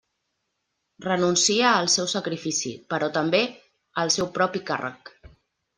Renuncia al seu sacrifici, però també al seu propi càrrec.